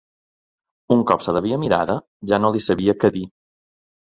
Un cop se l'havia mirada, ja no li sabia què dir